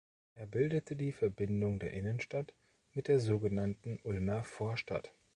Er bildete die Verbindung der Innenstadt mit der sogenannten Ulmer Vorstadt.